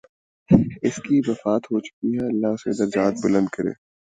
اس کی وفات ہو چکی ہے، اللہ اس کے درجات بلند کرے۔